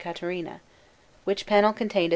Caterina; which panel contained a S.